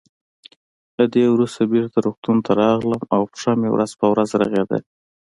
له دې وروسته بېرته روغتون ته راغلم او پښه مې ورځ په ورځ رغېده.